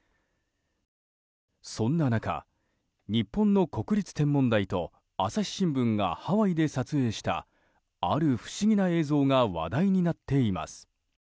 そんな中、日本の国立天文台と朝日新聞がハワイで撮影したある不思議な映像が話題になっています。